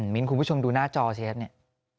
มิลคุณผู้ชมดูหน้าจอใช่ไหมครับเนี่ย